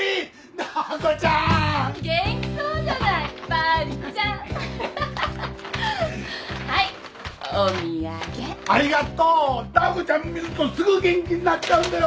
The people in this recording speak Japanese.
ダー子ちゃん見るとすぐ元気になっちゃうんだよ